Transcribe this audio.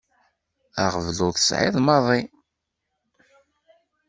Aɣbel ur t-sɛiɣ maḍi.